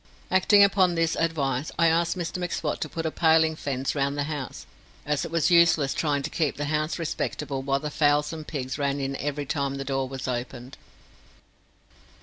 Acting upon this advice, I asked Mr M'Swat to put a paling fence round the house, as it was useless trying to keep the house respectable while the fowls and pigs ran in every time the door was opened.